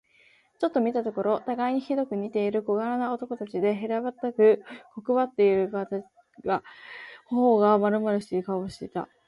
ちょっと見たところ、たがいにひどく似ている小柄な男たちで、平べったく、骨ばってはいるが、頬がまるまるしている顔をしていた。